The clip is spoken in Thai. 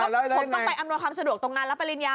ผมต้องไปอำนวยความสะดวกตรงงานรับปริญญา